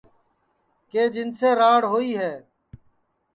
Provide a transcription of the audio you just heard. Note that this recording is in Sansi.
کہ جنسے راڑ ہوئی ہے